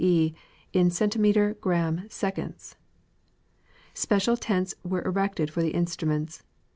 e., in centimetre gramme seconds). Special tents wei e erected for the instruments.